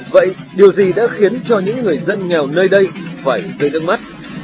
vậy điều gì đã khiến cho những người dân nghèo nơi đây phải rơi nước mắt